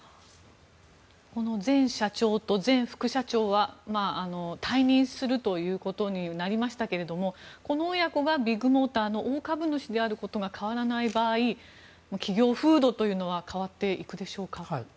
この前社長と前副社長は退任するということになりましたけれどもこの親子がビッグモーターの大株主であることが変わらない場合企業風土というのは変わっていくでしょうか。